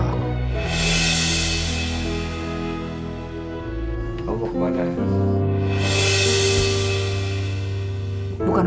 kau nelpuklah juga aja